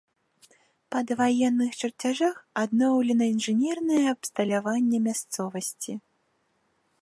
Па даваенных чарцяжах адноўлена інжынернае абсталяванне мясцовасці.